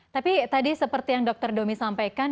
tapi tadi seperti yang dokter domi sampaikan